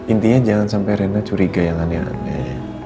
intinya jangan sampai rena curiga yang aneh aneh